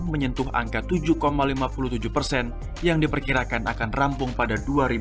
menyentuh angka tujuh lima puluh tujuh persen yang diperkirakan akan rampung pada dua ribu dua puluh